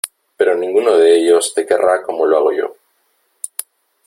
Pero ninguno de ellos te querrá como lo hago yo .